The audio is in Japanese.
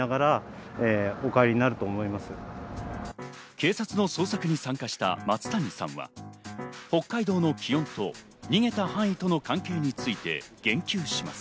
警察の捜索に参加した松谷さんは北海道の気温と逃げた範囲との関係について言及します。